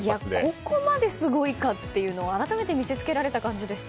ここまですごいかって改めて見せつけられた感じでした。